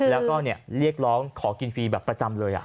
แล้วก็เรียกร้องขอกินฟรีแบบประจำเลย